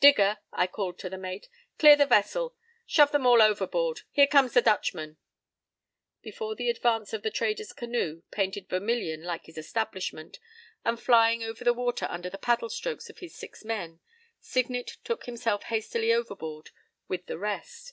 p> "Digger!" I called to the mate. "Clear the vessel! Shove them all overboard! Here comes the Dutchman!" Before the advance of the trader's canoe, painted vermillion like his establishment and flying over the water under the paddle strokes of his six men, Signet took himself hastily overboard with the rest.